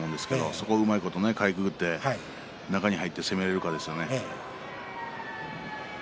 そこをうまくかいくぐって中に入って攻められるかですね。